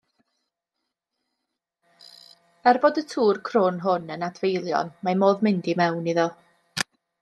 Er bod y tŵr crwn hwn yn adfeilion mae modd mynd i mewn iddo.